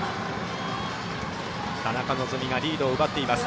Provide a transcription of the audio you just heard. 田中希実がリードを奪っています。